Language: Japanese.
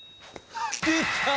出た！